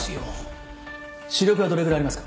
視力はどれぐらいありますか？